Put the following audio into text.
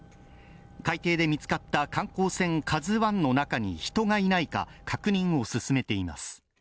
海底で見つかった観光船「ＫＡＺＵⅠ」の中に人がいないか確認を進めています。